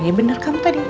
ya bener kamu tadi